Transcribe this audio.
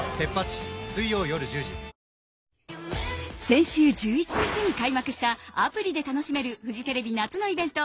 先週１１日に開幕したアプリで楽しめるフジテレビ夏のイベント